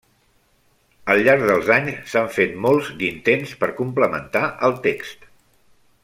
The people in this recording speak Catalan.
Al llarg dels anys s'han fet molts d'intents per complementar el text.